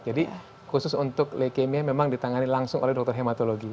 jadi khusus untuk leukemia memang ditangani langsung oleh dr hematologi